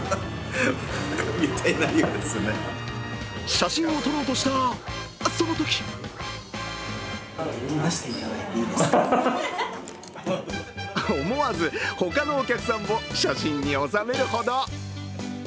写真を撮ろうとした、そのとき思わず他のお客さんも写真に収めるほど。